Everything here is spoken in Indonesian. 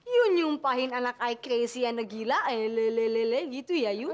lu nyumpahin anak ayah crazy anak gila lelelele gitu ya yuk